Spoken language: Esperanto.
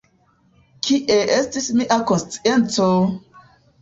Kie estis mia konscienco!